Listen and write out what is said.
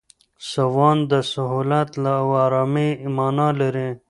سوان د سهولت او آرامۍ مانا لري.